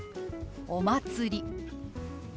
「お祭り」。